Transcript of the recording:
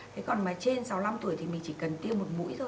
thế còn mà trên sáu mươi năm tuổi thì mình chỉ cần tiêu một mũi thôi